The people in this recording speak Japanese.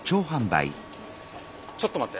ちょっと待って！